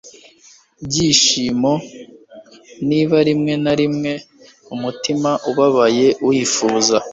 byishimo, niba rimwe na rimwe umutima ubabaye wifuza